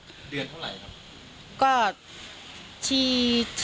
เดือนเท่าไหร่ครับ